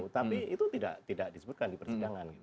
tapi itu tidak disebutkan di persidangan